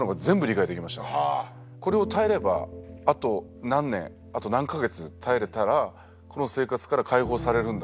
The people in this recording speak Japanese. これを耐えればあと何年あと何か月耐えれたらこの生活から解放されるんだ。